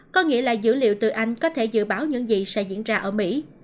có nghĩa là dữ liệu từ anh có thể dự báo những gì sẽ diễn ra ở mỹ